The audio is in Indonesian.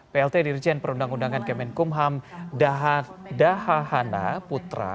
plt dirjen perundang undangan kemenkumham daha hana putra